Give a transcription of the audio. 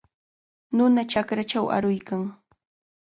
Nuna chakrachaw aruykan.